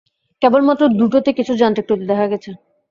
কেবলমাত্র দুটোতে কিছু যান্ত্রিক ত্রুটি দেখা গেছে।